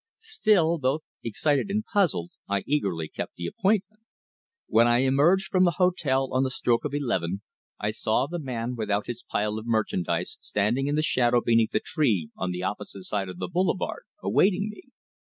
Still, both excited and puzzled, I eagerly kept the appointment. When I emerged from the hotel on the stroke of eleven I saw the man without his pile of merchandise standing in the shadow beneath a tree, on the opposite side of the boulevard, awaiting me.